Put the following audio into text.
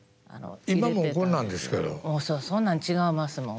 そうそんなん違いますもん。